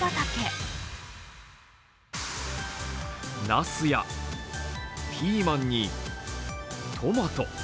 ナスやピーマンにトマト。